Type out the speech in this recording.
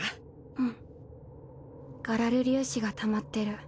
うんガラル粒子がたまってる。